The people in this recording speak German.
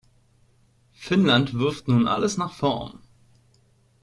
Finnland wirft nun alles nach vorne.